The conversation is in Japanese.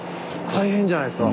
大変じゃないすか。